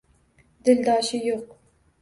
Dildoshi yo’q